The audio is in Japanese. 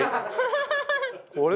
これ。